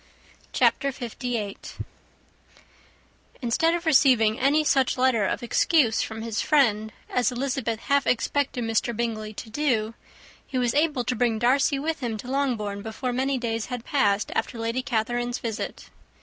_]] CHAPTER LVIII. Instead of receiving any such letter of excuse from his friend, as Elizabeth half expected Mr. Bingley to do, he was able to bring Darcy with him to Longbourn before many days had passed after Lady Catherine's visit.